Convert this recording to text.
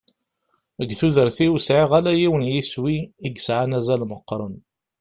Deg tudert-iw sɛiɣ ala yiwen n yiswi i yesɛan azal meqqren.